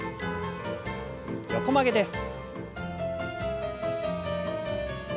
横曲げです。